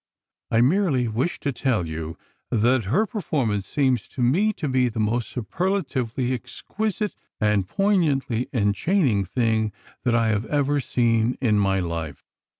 I merely wish to tell you that her performance seems to me to be the most superlatively exquisite and poignantly enchaining thing that I have ever seen in my life.